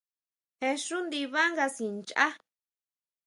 Je xú ndibangani tsí nchá.